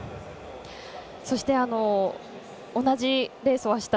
そして同じレースを走った